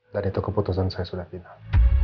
dan itu keputusan saya sudah final